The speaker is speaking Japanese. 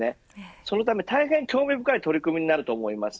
そのため大変興味深い取り組みだと思います。